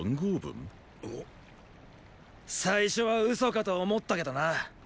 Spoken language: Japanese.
最初は嘘かと思ったけどな。